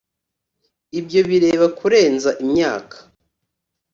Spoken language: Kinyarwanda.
ibyo bireba kurenza imyaka